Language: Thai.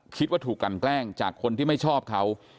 คิดว่าถูกกันแกล้งจากคนที่ไม่ชอบเขา